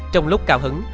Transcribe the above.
trong lúc cào hứng